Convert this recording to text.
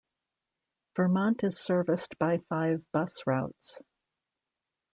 Vermont is serviced by five bus routes.